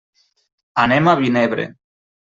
Anem a Vinebre.